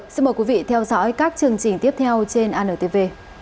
xin mời quý vị theo dõi các chương trình tiếp theo trên antv